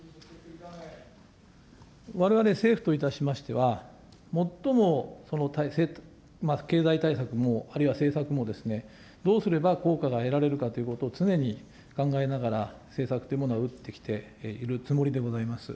われわれ政府といたしましては、最も経済対策も、あるいは政策もですね、どうすれば効果が得られるかということを常に考えながら、政策というものを打ってきているつもりでございます。